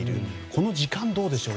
この時間、どうでしょう？